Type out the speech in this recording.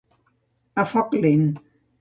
A foc lent.